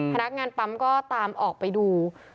พนักงานปั๊มก็ตามออกไปดู